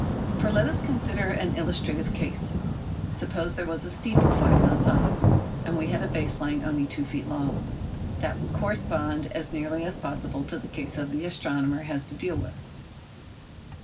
For let us consider an illustrative case. Suppose there was a steeple five miles off, and we had a base line only two feet long. That would correspond as nearly as possible to the case the astronomer has to deal with.